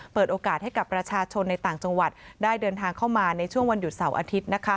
เปิดโอกาสให้กับประชาชนในต่างจังหวัดได้เดินทางเข้ามาในช่วงวันหยุดเสาร์อาทิตย์